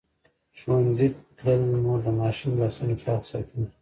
ښوونځې تللې مور د ماشوم لاسونه پاک ساتي.